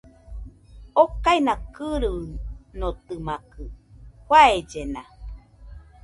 Okaina kɨrɨnotɨmakɨ, faellena